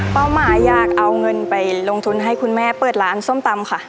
หมายอยากเอาเงินไปลงทุนให้คุณแม่เปิดร้านส้มตำค่ะ